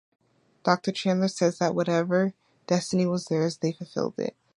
Doctor Chandler says that whatever destiny was theirs, they fulfilled it.